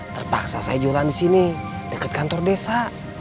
terpaksa saya jualan di sini dekat kantor desa